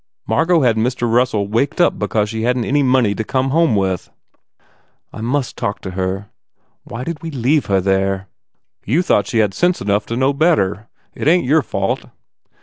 Margot had Mr. Russell waked up because she hadn t any money to come home with." "I must talk to her ... Why did we leave her there?" u You thought she d got sense enough to know better. It ain t your fault.